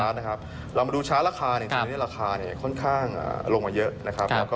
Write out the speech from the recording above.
เรามาดูชาร์จราคาราคาค่อนข้างลงมาเยอะ